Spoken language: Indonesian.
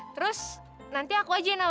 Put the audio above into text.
terus nanti aku aja yang nawarin jalanmu